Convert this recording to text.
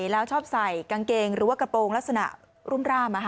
แล้วชอบใส่กางเกงหรือว่ากระโปรงลักษณะรุ่มร่าม